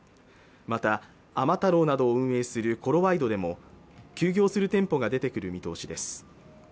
また甘太郎などを運営するコロワイドでも休業する店舗が出てくる見通しです